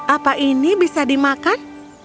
apa ini bisa dimakan